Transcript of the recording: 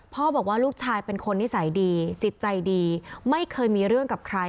บอกว่าลูกชายเป็นคนนิสัยดีจิตใจดีไม่เคยมีเรื่องกับใคร